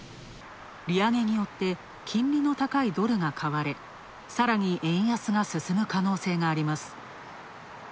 利上げによって金利の高いドルが買われさらに円安が進む可能性があります。